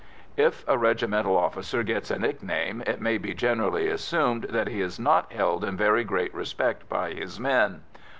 If a regimental officer gets a nickname, it may be generally assumed that he is not held in very great respect by his men.